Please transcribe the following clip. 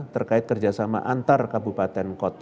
terkait kerjasama antar kabupaten kota